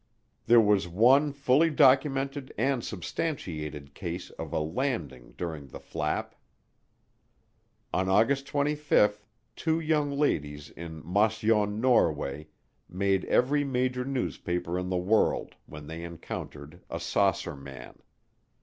There was one fully documented and substantiated case of a "landing" during the flap. On August 25 two young ladies in Mosjoen, Norway, made every major newspaper in the world when they encountered a "saucer man."